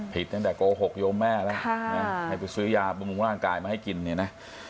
ผิดตั้งแต่โกหกโยมแม่แล้วให้ไปซื้อยาบำรุงร่างกายมาให้กินเนี่ยนะ